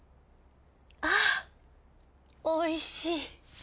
あおいしい。